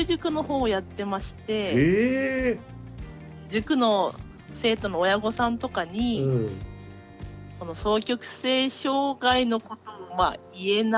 塾の生徒の親御さんとかにこの双極性障害のことをまあ言えなくて。